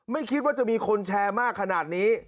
ไม่คิดว่าจะมีคนแชร์มากขนาดนี้